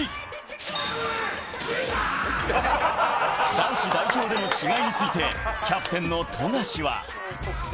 男子代表での違いについて、キャプテンの富樫は。